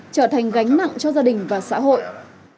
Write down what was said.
trở thành gánh nặng cho gia đình và xã hội